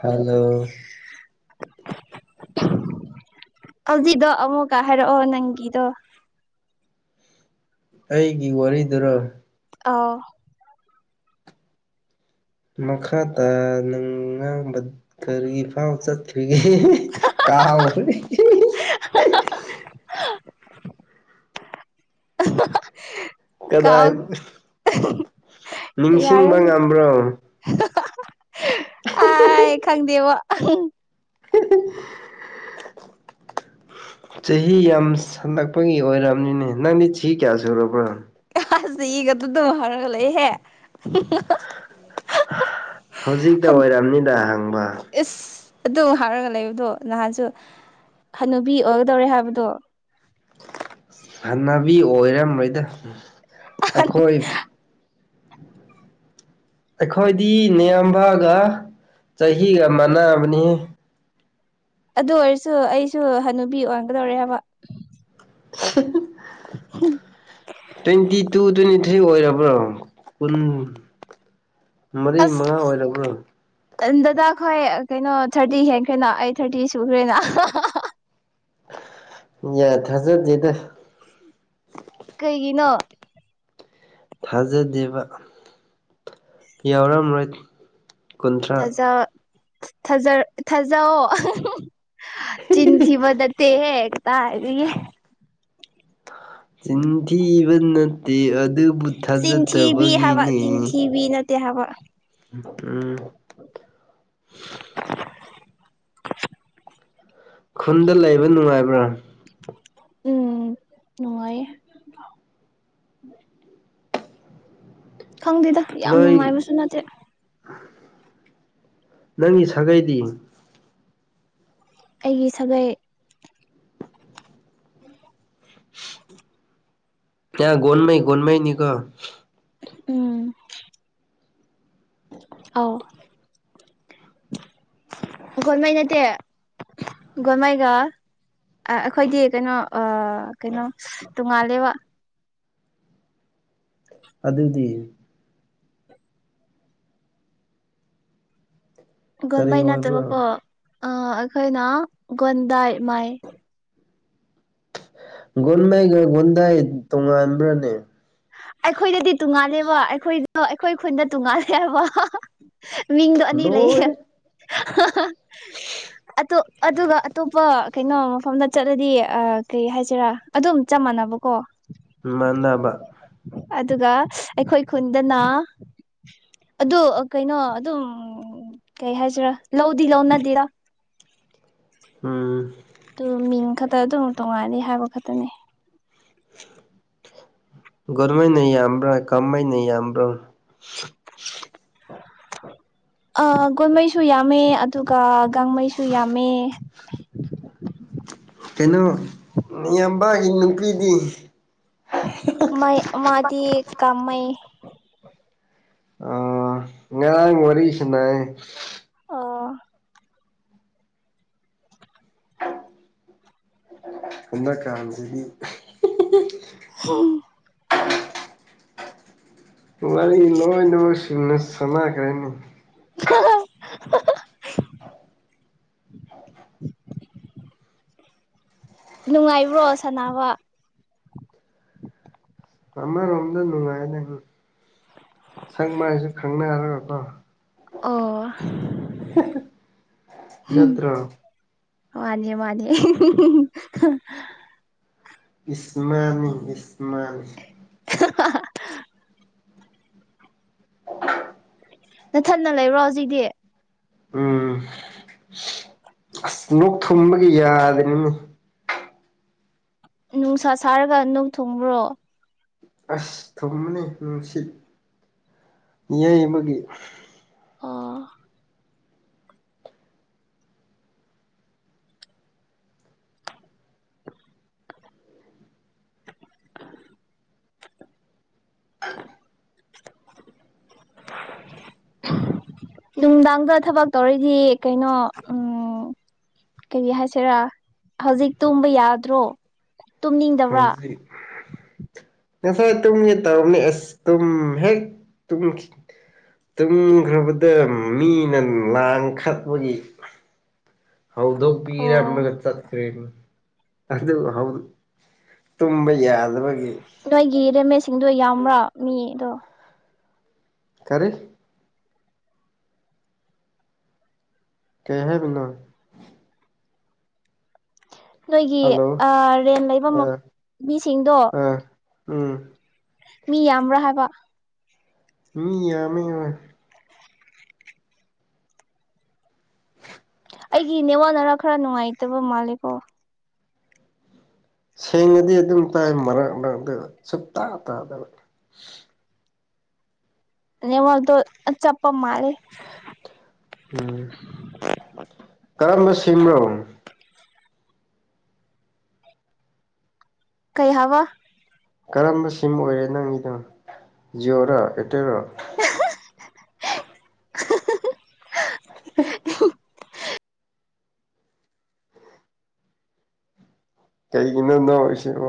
hello ꯍꯧꯖꯤꯛꯗꯣ ꯑꯃꯨꯛꯀ ꯍꯥꯏꯔꯛꯑꯣ ꯅꯪꯒꯤꯗꯣ ꯑꯩꯒꯤ ꯋꯥꯔꯤꯗꯨꯔ ꯑꯎ ꯃꯈꯥ ꯇꯥꯅ ꯉꯥꯡꯕ ꯀꯔꯤꯐꯥꯎ ꯆꯠꯇꯔꯤ ꯀꯧ ꯈꯔꯦ ꯢꯍꯤꯍꯤ ꯍꯥꯍꯥ ꯀꯥꯎ ꯀꯗꯥꯏ ꯌꯥꯔꯦ ꯅꯤꯡꯁꯤꯡꯕ ꯉꯝꯕ꯭ꯔꯣ ꯑꯥꯢ ꯀꯪꯗꯦꯕ ꯆꯍꯤ ꯌꯥꯝ ꯁꯜꯂꯛꯄꯒꯤ ꯑꯣꯏꯔꯕꯅꯤꯅꯦ ꯅꯪꯗꯤ ꯆꯍꯤ ꯀꯌꯥ ꯁꯨꯔꯕ꯭ꯔꯣ ꯀꯁꯤ ꯏꯒ ꯑꯗꯨꯗ ꯍꯥꯏꯔꯒ ꯂꯩꯍꯦ ꯍꯧꯖꯤꯛꯇ ꯍꯟ ꯑꯣꯏꯔꯝꯅꯤꯗ ꯍꯪꯕ ꯑꯗꯨꯝ ꯍꯥꯏꯔꯒ ꯂꯩꯕꯗꯣ ꯅꯍꯥꯟꯁꯨ ꯍꯅꯨꯕꯤ ꯑꯣꯏꯒꯗꯧꯔꯦ ꯍꯥꯏꯕꯗꯣ ꯍꯟꯅꯕꯤ ꯑꯣꯏꯔꯝꯃꯣꯏꯗ ꯑꯩꯈꯣꯏ ꯑꯩꯈꯣꯏꯗꯤ ꯅꯌꯥꯝꯕꯒ ꯆꯍꯤꯒ ꯃꯥꯟꯅꯕꯅꯦ ꯑꯗꯨ ꯑꯣꯏꯔꯁꯨ ꯑꯩꯁꯨ ꯍꯅꯨꯕꯤ ꯑꯣꯟꯒꯗꯣꯔꯦ ꯍꯥꯏꯕ [unintelligible] [unintelligible] ꯇ꯭ꯋꯦꯟꯇꯤ ꯇꯨ ꯇ꯭ꯋꯦꯟꯇꯤ ꯊ꯭ꯔꯤ ꯑꯣꯏꯔꯕ꯭ꯔꯣ ꯀꯨꯟ ꯃꯔꯤ ꯑꯁ ꯃꯉꯥ ꯑꯣꯏꯔꯕ꯭ꯔꯣ ꯗꯗꯥ ꯈꯣꯏ ꯀꯩꯅꯣ ꯊꯥꯔ꯭ꯇꯤ ꯍꯦꯟꯈ꯭ꯔꯦꯅ ꯑꯩ ꯊꯥꯔ꯭ꯇꯤ ꯁꯨꯈ꯭ꯔꯦꯅ ꯌꯥ ꯊꯖꯗꯦꯗ ꯀꯩꯒꯤꯅꯣ ꯊꯥꯖꯗꯦꯕ ꯌꯥꯎꯔꯝꯔꯣꯏ ꯀꯨꯟꯊ꯭ꯔꯥ ꯊꯖꯥ ꯊꯥꯖꯑꯣ ꯆꯤꯟꯊꯤꯕ ꯅꯠꯇꯦꯍꯦ ꯀꯇꯥꯏꯗꯒꯤ ꯆꯤꯟꯊꯤꯕ ꯅꯠꯇꯦ ꯑꯗꯨꯕꯨ ꯊꯥꯖꯗꯕꯒꯤꯅꯦ ꯇꯦ ꯍꯥꯏꯕ ꯎꯝ [inaudible] ꯈꯨꯟꯗ ꯂꯩꯕ ꯅꯨꯡꯉꯥꯏꯕ꯭ꯔꯥ ꯎꯝ ꯅꯨꯡꯉꯥꯏ ꯑꯦ ꯈꯪꯗꯦꯗ ꯌꯥꯝ ꯅꯣꯏ ꯅꯨꯡꯉꯥꯏꯕꯁꯨ ꯅꯠꯇꯦ [inaudible] ꯅꯪꯒꯤ ꯁꯥꯒꯩꯗꯤ ꯑꯩꯒꯤ ꯁꯥꯒꯩ [inaudible] [inaudible] [unintelligible] ꯒꯣꯟꯃꯩ ꯒꯣꯟꯃꯩ ꯅꯤꯀꯣ ꯎꯝ ꯑꯥꯎ ꯒꯣꯟꯃꯩ ꯅꯠꯇꯦ ꯒꯣꯟꯃꯩ ꯒ ꯑꯥ ꯑꯩꯈꯣꯏꯗꯤ ꯀꯩꯅꯣ ꯑꯥ ꯀꯩꯅꯣ ꯇꯣꯉꯥꯜꯂꯦꯕ ꯑꯗꯨꯗꯤ ꯀꯔꯤ ꯒꯣꯟꯃꯩ ꯑꯣꯏꯕ꯭ꯔꯥ ꯅꯠꯇꯕꯀꯣ ꯑꯩꯈꯣꯏꯅ ꯒꯣꯟꯗꯥꯏ ꯃꯥꯏ ꯒꯨꯣꯟꯃꯩꯒ ꯒꯨꯣꯟꯗꯥꯥꯏ ꯇꯣꯉꯥꯟꯕ꯭ꯔꯅꯦ ꯑꯩꯈꯣꯏꯗꯗꯤ ꯇꯣꯡꯉꯥꯜꯂꯦꯕ ꯑꯩꯈꯣꯏꯗ ꯑꯩꯈꯣꯏ ꯈꯨꯟꯗ ꯇꯣꯡꯉꯥꯜꯂꯦꯕ ꯃꯤꯡꯗꯣ ꯑꯅꯤ ꯂꯩꯌꯦ ꯂꯣꯏꯔꯦ ꯑꯣ ꯑꯗꯨꯒꯒ ꯑꯇꯣꯞꯄ ꯀꯩꯅꯣ ꯃꯐꯝꯗ ꯆꯠꯂꯗꯤ ꯀꯩ ꯍꯥꯏꯁꯤꯔꯥ ꯑꯗꯨꯝ ꯆꯞ ꯃꯥꯟꯅꯕꯀꯣ ꯃꯥꯟꯅꯕ ꯑꯗꯨꯒ ꯑꯩꯈꯣꯏ ꯈꯨꯟꯗꯅ ꯑꯗꯨ ꯀꯩꯅꯣ ꯑꯗꯨꯝ ꯀꯩ ꯍꯥꯏꯖꯔꯥ ꯂꯧꯗꯤ ꯂꯧꯅꯗꯦꯗ ꯎꯝ ꯑꯗꯨ ꯃꯤꯡ ꯈꯛꯇ ꯑꯗꯨꯝ ꯇꯣꯡꯉꯥꯟꯅꯤ ꯍꯥꯏꯕ ꯈꯛꯇꯅꯤ ꯨꯒꯣꯟ ꯃꯩꯅ ꯌꯥꯝꯕ꯭ꯔꯥ ꯀꯃꯩ ꯅ ꯌꯥꯝꯕ꯭ꯔꯥ [unintelligible] ꯑꯥ ꯒꯣꯜꯃꯩꯁꯨ ꯌꯥꯝꯃꯦ ꯑꯗꯨꯒ ꯒꯥꯡꯃꯩꯁꯨ ꯌꯥꯝꯃꯦ ꯀꯩꯅꯣ ꯅꯌꯥꯝꯕꯒꯤ ꯅꯨꯄꯤꯗꯤ ꯃ ꯩ ꯃꯥꯗꯤ ꯀꯥꯃꯩ ꯑꯥ ꯉꯥꯔꯥꯡ ꯋꯥꯔꯤꯁꯥꯟꯅꯦ ꯑꯣ ꯍꯟꯅ ꯀꯥꯟꯁꯤꯗꯤ ꯍꯝ ꯋꯥꯔꯤ ꯂꯣꯏ ꯅꯃꯛ ꯁꯤꯡꯅ ꯁꯅꯥꯈ꯭ꯔꯦꯅꯦ ꯍꯥ ꯍꯥ [inaudible] ꯅꯨꯡꯉꯥꯏꯕ꯭ꯔꯣ ꯁꯅꯥꯅꯕ ꯑꯃꯔꯣꯝꯗ ꯅꯨꯡꯉꯥꯏꯅꯦ ꯁꯛ ꯃꯥꯏꯁꯨ ꯈꯪꯅꯔꯒꯀꯣ ꯑꯣ ꯍꯝ ꯅꯠꯇ꯭ꯔꯣ ꯃꯥꯟꯅꯦ ꯃꯥꯟꯅꯦ ꯍꯤ ꯍꯤ ꯏꯁ ꯃꯥꯟꯅꯤ ꯏꯁ ꯃꯥꯟꯅꯤ ꯍ ꯍ ꯅꯊꯟꯗ ꯂꯩꯕ꯭ꯔꯣ ꯍꯧꯖꯤꯛꯗꯤ ꯎꯝ ꯑꯁ ꯅꯣꯛ ꯊꯨꯡꯕꯒꯤ ꯌꯥꯗꯔꯤꯅꯤꯅꯦ ꯅꯨꯡꯁꯥ ꯁꯥꯔꯒ ꯅꯣꯛ ꯊꯨꯡꯕ꯭ꯔꯣ ꯑꯁ ꯊꯨꯝꯕꯅꯤ ꯅꯨꯡꯁꯤꯠ ꯌꯩꯕꯒꯤ ꯑꯥ [inaudible] [inaudible] ꯅꯨꯡꯗꯥꯡꯗ ꯊꯕꯛ ꯇꯧꯔꯗꯤ ꯀꯩꯅꯣ ꯎꯝ ꯀꯩꯒꯤ ꯍꯥꯏꯁꯤꯔꯥ ꯍꯧꯖꯤꯛ ꯇꯨꯝꯕ ꯌꯥꯗ꯭ꯔꯣ ꯇꯨꯝꯅꯤꯡꯗꯕ꯭ꯔꯥ ꯍꯧꯖꯤꯛ ꯉꯁꯥꯏ ꯇꯨꯝꯒꯦ ꯇꯧꯕꯅꯦ ꯑꯁ ꯇꯨꯝ ꯍꯦꯛ ꯇꯨꯝ ꯇꯨꯝꯈ꯭ꯔꯕꯗ ꯃꯤꯅ ꯂꯥꯡꯈꯠꯄꯒꯤ ꯍꯧꯗꯣꯛ ꯑꯣ ꯄꯤꯔꯝꯂꯒ ꯆꯈ꯭ꯔꯦ ꯗꯨ ꯑꯗꯨ ꯍꯧ ꯇꯨꯝꯕ ꯌꯥꯗꯕꯩ ꯅꯣꯏꯒꯤ ꯔꯨꯃꯦꯠꯁꯤꯡꯗꯣ ꯌꯥꯝꯕ꯭ꯔꯥ ꯃꯤꯗꯣ ꯀꯔꯤ ꯀꯩ ꯍꯥꯏꯔꯤꯅꯣ ꯅꯣꯏꯒꯤ ꯍꯜꯂꯣ ꯑꯥ ꯔꯦꯟ ꯂꯩꯕ ꯑꯥ ꯃꯤꯁꯤꯡꯗꯣ ꯑꯥ ꯎꯝ ꯃꯤ ꯌꯥꯝꯕ꯭ꯔꯥ ꯍꯥꯏꯕ ꯃꯤ ꯌꯥꯝꯃꯦ ꯍꯣꯏ ꯑꯩꯒꯤ ꯅꯦꯋꯥꯅꯔ ꯈꯔ ꯅꯨꯡꯉꯥꯏꯇꯕ ꯃꯥꯜꯂꯦꯀꯣ ꯁꯦꯡꯉꯗꯤ ꯑꯗꯨꯝ ꯇꯥꯏ ꯃꯔꯛ ꯃꯔꯛꯇ ꯁꯨꯛ ꯇꯥ ꯇꯥꯗꯕ ꯅꯦꯋꯥꯛꯇꯣ ꯆꯞꯄ ꯃꯥꯜꯂꯦ ꯎꯝ ꯁꯤꯝꯔꯣꯡ ꯀꯩ ꯍꯥꯏꯕ ꯀꯔꯝꯕ ꯁꯤꯝ ꯑꯣꯏꯔꯦ ꯅꯪꯒꯤꯗꯣ ꯖꯤꯑꯣꯔꯣ ꯑꯦꯔꯇꯦꯜꯔꯣ ꯍꯦ ꯍꯦ ꯀꯩꯒꯤꯅꯣ ꯅꯣꯛꯏꯁꯤꯕꯣ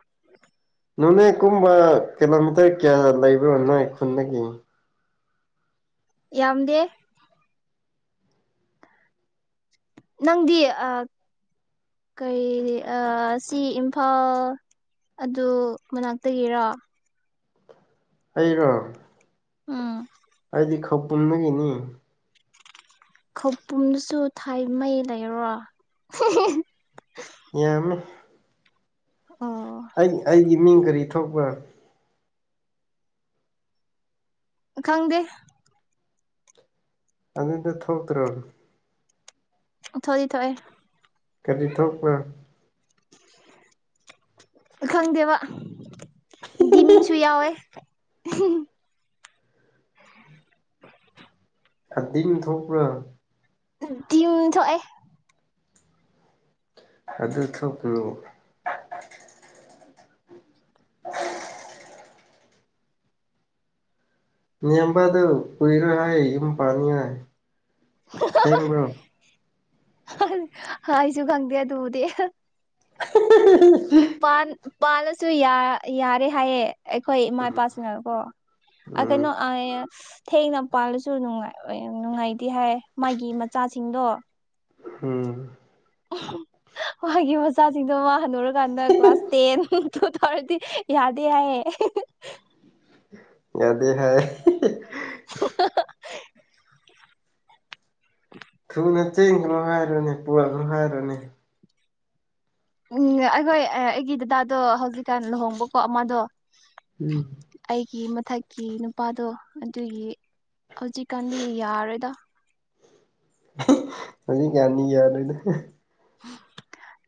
[inaudible] ꯅꯣꯅꯦ ꯀꯨꯝꯕ ꯀꯤꯂꯣꯃꯤꯇꯔ ꯀꯌꯥ ꯂꯩꯕ꯭ꯔꯣ ꯅꯣꯏ ꯈꯨꯟꯗꯒꯤ ꯌꯥꯝꯗꯦ ꯅꯪꯗꯤ ꯑꯥ ꯀꯔꯤ ꯑꯥ ꯁꯤ ꯏꯝꯐꯥꯜ ꯑꯗꯨ ꯃꯅꯥꯛꯇꯒꯤꯔ ꯑꯩꯔꯣ ꯎꯝ ꯑꯩꯗꯤ ꯈꯧꯄꯨꯝꯗꯒꯤꯅꯤ ꯈꯧꯄꯨꯝꯗꯁꯨ ꯊꯥꯏ ꯃꯩ ꯂꯩꯔꯣ ꯍꯤ ꯍꯤ ꯌꯥꯝꯃꯦ ꯑꯣ ꯑꯩ ꯑꯩꯒꯤ ꯃꯤꯡ ꯀꯔꯤ ꯊꯣꯛꯄ꯭ꯔꯥ ꯈꯪꯗꯦ ꯑꯗꯨꯗ ꯊꯣꯛꯇ꯭ꯔꯣ ꯊꯣꯛꯏ ꯊꯣꯛꯑꯦ ꯀꯔꯤ ꯊꯣꯛꯄ꯭ꯔꯥ ꯈꯪꯗꯦ ꯕꯥ ꯗꯤꯟꯁꯨ ꯌꯥꯎꯋꯦ ꯍꯝꯍꯝ ꯑꯗꯤꯝ ꯊꯣꯛꯄ꯭ꯔꯥ ꯗꯤꯝ ꯊꯣꯛꯑꯦ ꯑꯗꯨ ꯊꯣꯛꯄꯂꯨ ꯅꯝꯕ ꯑꯗꯨ ꯎꯏꯔ ꯍꯥꯏ ꯌꯨꯝ ꯄꯅꯤꯉꯥꯏ ꯁꯦꯡꯕ꯭ꯔꯣ ꯍꯥ ꯑꯩꯁꯨ ꯈꯪꯗꯦ ꯗꯨꯕꯨꯗꯤ ꯍꯥ ꯍꯥꯍꯥꯍꯥ ꯍꯥꯍꯥ ꯄꯥꯜ ꯄꯥꯜꯂꯁꯨ ꯌ ꯌꯔꯦ ꯍꯥꯏꯌꯦ ꯑꯩꯈꯣꯏ ꯏꯃꯥ ꯏꯄꯥꯁꯤꯅꯀꯣ ꯎꯝ ꯀꯩꯅꯣ ꯑꯥ ꯊꯦꯡꯅ ꯄꯥꯜꯂꯁꯨꯅꯨꯡꯉꯥꯏ ꯅꯨꯡꯉꯥꯏꯇꯦ ꯍꯥꯏ ꯃꯥꯒꯤ ꯃꯆꯥꯁꯤꯡꯗꯣ ꯎꯝ ꯍꯥ ꯍꯥ ꯃꯥꯒꯤ ꯃꯆꯥꯁꯤꯡꯗꯣ ꯃꯥ ꯍꯜꯟꯅꯨꯔꯀꯥꯟꯗ ꯀ꯭ꯂꯥꯁ ꯇꯦꯟ ꯗꯨ ꯇꯧꯔꯗꯤ ꯌꯥꯗꯦ ꯍꯥꯏꯌꯦ ꯌꯥ ꯍꯍꯍ ꯊꯨꯅ ꯆꯦꯟꯒꯅꯨ ꯍꯥꯏꯔꯅꯦ ꯄꯨꯔꯛꯒꯅ ꯍꯥꯏꯔꯅꯦ ꯎꯝ ꯑꯩꯈꯣꯏ ꯑꯩꯒꯤ ꯗꯗꯥꯗꯣ ꯍꯧꯖꯤꯛ ꯀ ꯂꯨꯍꯣꯡꯕꯀꯣ ꯑꯃꯗꯣ ꯎꯝ ꯑꯩꯒꯤ ꯃꯊꯛꯀꯤ ꯅꯨꯄꯥꯗꯣ ꯑꯗꯨꯒꯤ ꯍꯧꯖꯤꯛꯀꯥꯟꯗꯤ ꯌꯥꯔꯣꯏꯗꯣ ꯍꯧꯖꯤꯛ ꯀꯥꯟꯗ ꯌꯥꯔꯣꯏꯗ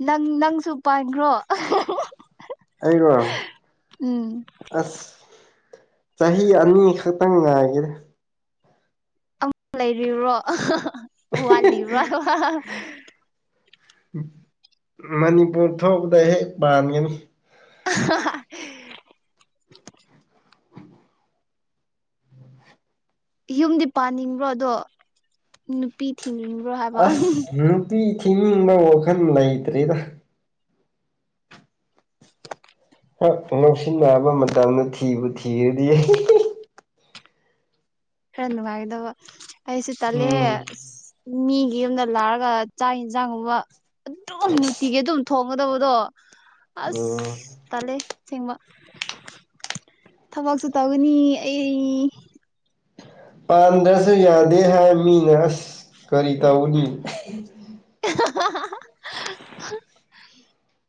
ꯅꯪ ꯅꯪꯁꯨ ꯄꯥꯟꯈ꯭ꯔꯣ ꯑꯩꯩꯔꯣ ꯎꯝ ꯑꯁ ꯆꯍꯤ ꯑꯅꯤ ꯈꯛꯇꯪ ꯉꯥꯏꯒꯦ ꯑꯃ ꯂꯩꯔꯤꯕ꯭ꯔꯣ ꯋꯥꯠꯂꯤꯕ꯭ꯔꯣ ꯃꯅꯤꯄꯨꯔ ꯊꯣꯛꯄꯗ ꯍꯦꯛ ꯄꯥꯟꯒꯅꯤ ꯍꯍꯍ ꯌꯨꯝꯗꯤ ꯄꯥꯅꯤꯡꯕ꯭ꯔꯣ ꯑꯗꯣ ꯅꯨꯄꯤ ꯊꯤꯅꯤꯡꯕ꯭ꯔꯣ ꯍꯥꯏꯕ ꯑꯁ ꯅꯨꯄꯤ ꯊꯤꯅꯤꯡꯕ ꯋꯥꯈꯜ ꯂꯩꯇ꯭ꯔꯤꯗ ꯂꯧꯁꯤꯟꯅꯕ ꯃꯇꯝꯗ ꯊꯤꯕꯨ ꯊꯤꯔꯗꯤ ꯈꯔ ꯅꯨꯡꯉꯥꯏꯒꯗꯕ ꯑꯩꯁꯨ ꯇꯠꯂꯦ ꯎꯝ ꯃꯤꯒꯤ ꯌꯨꯝꯗ ꯂꯥꯛꯔꯒ ꯆꯥꯛ ꯌꯦꯟꯁꯥꯡꯒꯨꯝꯕ ꯑꯗꯨꯝ ꯅꯨꯡꯇꯤꯒꯤ ꯑꯗꯨꯝ ꯊꯣꯡꯒꯗꯕꯗꯣ ꯑꯁ ꯎꯝ ꯇꯜꯂꯦ ꯁꯦꯡꯕ ꯊꯕꯛꯁꯨ ꯇꯧꯒꯅꯤ ꯑꯩ ꯄꯥꯟꯗ꯭ꯔꯁꯨ ꯌꯥꯗꯦ ꯍꯥꯏ ꯃꯤꯅ ꯑꯁ ꯀꯔꯤ ꯇꯧꯅꯤ ꯍꯍꯍꯍ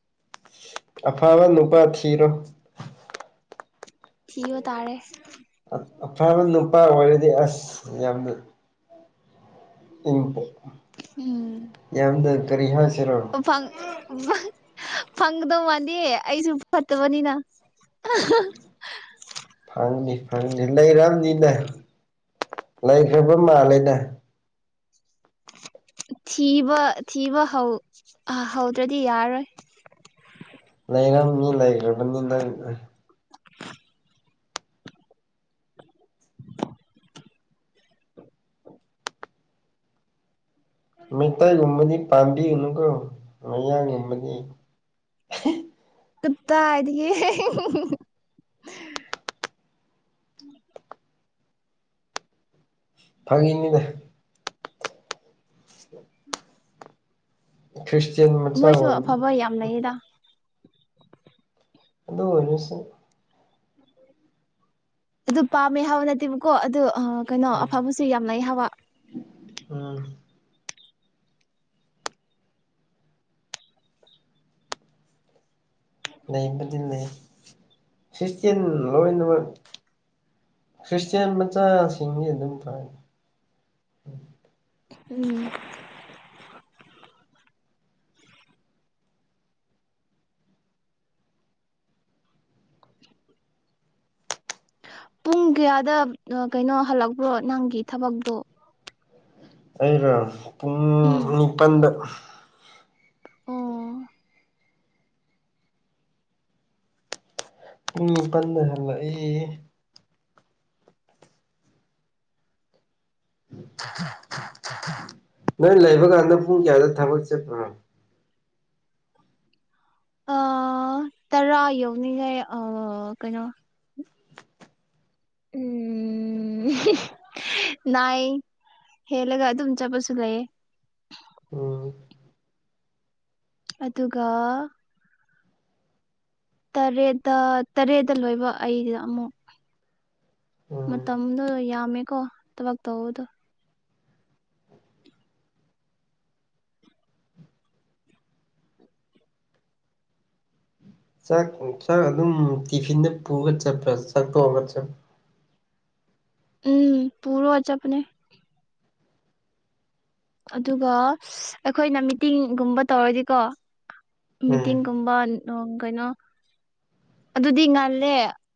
ꯑꯐꯕ ꯅꯨꯄꯥ ꯊꯤꯔꯣ ꯊꯤꯕ ꯇꯥꯔꯦ ꯑꯐꯕ ꯅꯨꯄꯥ ꯑꯣꯏꯔꯗꯤ ꯑꯁ ꯌꯥꯝꯅ [unintelligible] ꯎꯝ ꯌꯥꯝꯅ ꯀꯔꯤ ꯍꯥꯏꯁꯤꯔꯣ ꯐꯪ ꯐꯪ ꯐꯪꯒꯗꯧ ꯃꯥꯗꯦ ꯑꯩꯁꯨ ꯐꯠꯇꯕꯅꯤꯅ ꯐꯪꯅꯤ ꯐꯪꯅꯤ ꯂꯩꯔꯝꯅꯤꯅꯦ ꯂꯩꯈ꯭ꯔꯕ ꯃꯥꯜꯂꯦꯅꯦ [inaudible] ꯊꯤꯕ ꯊꯤꯕ ꯍꯧꯗ꯭ꯔꯗꯤ ꯌꯥꯔꯣꯏ ꯂꯩꯔꯝꯃꯤ ꯂꯩꯈ꯭ꯔꯕꯅꯤ ꯅꯪ ꯃꯩꯇꯩꯒꯨꯝꯕꯗꯤ ꯄꯥꯝꯕꯤꯒꯅꯨꯀꯣ ꯃꯌꯥꯡꯒꯨꯝꯕꯗꯤ ꯍꯦ ꯀꯠꯇꯥꯏꯗꯒꯤ [inaudible] ꯐꯪꯉꯦꯅꯤꯗ [inaudible] ꯈ꯭ꯔꯤꯁꯇꯦꯟ ꯃꯆꯥ ꯃꯣꯏꯁꯨ ꯑꯣꯏꯕꯅꯤ ꯑꯐꯕ ꯌꯥꯝ ꯂꯩꯌꯦꯗ ꯑꯗꯣꯑꯣꯏꯔꯁꯨ ꯑꯗꯨ ꯄꯥꯝꯃꯦ ꯍꯥꯕ ꯅꯠꯇꯦꯕꯀꯣ ꯑꯗꯨ ꯑ ꯀꯩꯅꯣ ꯎꯝ ꯑꯐꯕꯁꯨ ꯌꯥꯝ ꯂꯩ ꯍꯋꯥ ꯎꯝ ꯂꯩꯕꯗꯤꯟꯅꯦ ꯈ꯭ꯔꯤꯁꯇ꯭ꯌꯟ ꯂꯣꯏꯅꯃꯛ ꯈ꯭ꯔꯤꯁꯇ꯭ꯌꯥꯟ ꯃꯆꯥ ꯁꯤꯡ ꯗꯤ ꯑꯗꯨꯝ ꯐꯩ ꯎꯝ ꯄꯨꯡ ꯀꯌꯥꯗ ꯀꯩꯅꯣ ꯍꯜꯂꯛꯄ꯭ꯔꯣ ꯅꯪꯒꯤ ꯊꯕꯛꯇꯣ ꯑꯩꯅ ꯄꯨꯡ ꯎꯝ ꯅꯤꯄꯟꯗ ꯑꯣ ꯄꯨꯡ ꯅꯤꯄꯟꯗ ꯍꯥꯂꯛꯏ ꯅꯣꯏ ꯂꯩꯕ ꯀꯥꯟꯗ ꯄꯨꯡ ꯀꯌꯥꯗ ꯊꯕꯛ ꯆꯠꯄꯅꯣ ꯑ ꯇꯔꯥ ꯌꯧꯅꯤꯡꯉꯥꯏ ꯑ ꯀꯩꯅꯣ ꯎꯪ ꯅꯥꯏ ꯍꯦꯜꯂꯒ ꯑꯗꯨꯝ ꯆꯠꯄꯁꯨ ꯂꯩꯌꯦ ꯑꯣ ꯑꯗꯨꯒ ꯇꯔꯦꯠꯇ ꯇꯔꯦꯠꯇ ꯂꯣꯏꯕ ꯑꯩꯗ ꯑꯃꯨꯛ ꯎꯝ ꯃꯇꯝꯗꯣ ꯌꯥꯝꯃꯦꯀꯣ ꯊꯕꯛ ꯇꯧꯕꯗꯣ ꯆꯥꯛ ꯆꯥꯛ ꯑꯗꯨꯝ ꯇꯤꯐꯤꯟꯗ ꯄꯨꯒ ꯆꯠꯄ꯭ꯔ ꯆꯥꯛ ꯇꯣꯛꯑꯒ ꯆ ꯎꯝ ꯄꯨꯔꯣ ꯆꯄꯅꯦ ꯑꯗꯨꯒ ꯑꯩꯈꯣꯏꯅ ꯃꯤꯇꯤꯡꯒꯨꯝꯕ ꯇꯧꯔꯗꯤꯀꯣ ꯎꯝ ꯃꯤꯇꯤꯡꯒꯨꯝꯕ ꯀꯩꯅꯣ ꯑꯗꯨꯗꯤ ꯉꯜꯂꯦ